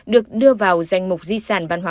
được đưa vào danh mục di sản văn hóa